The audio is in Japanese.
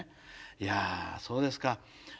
いやそうですか。